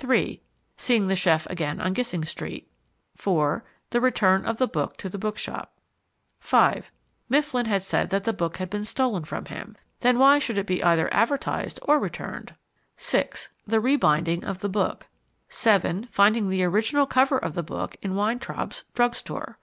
(3) Seeing the chef again on Gissing Street. (4) The return of the book to the bookshop. (5) Mifflin had said that the book had been stolen from him. Then why should it be either advertised or returned? (6) The rebinding of the book. (7) Finding the original cover of the book in Weintraub's drug store.